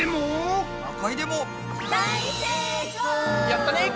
やったね！